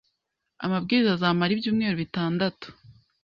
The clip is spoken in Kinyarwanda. Amabwiriza azamara ibyumweru bitandatu